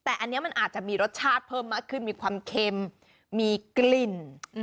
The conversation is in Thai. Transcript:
แต่อันนี้มันอาจจะมีรสชาติเพิ่มมากขึ้นมีความเค็มมีกลิ่น